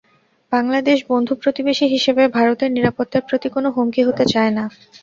বাংলাদেশ বন্ধু প্রতিবেশী হিসেবে ভারতের নিরাপত্তার প্রতি কোনো হুমকি হতে চায় না।